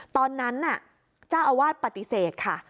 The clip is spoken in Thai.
ตอนนั้นน่ะเจ้าอาวาสปฏิเสธค่ะ